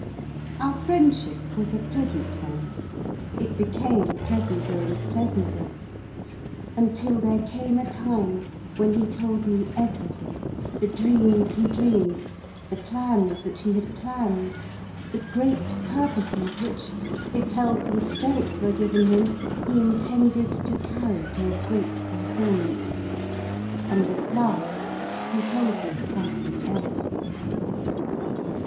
Our friendship was a pleasant one. It became pleasanter and pleasanter. Until there came a time when he told me everything; the dreams he dreamed; the plans which he had planned; the great purposes which, if health and strength were given him, he intended to carry to a great fulfilment. And, at last, he told me something else.